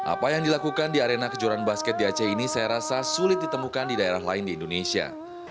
apa yang dilakukan di arena kejuaraan basket di aceh ini saya rasa sulit ditemukan di daerah lain di indonesia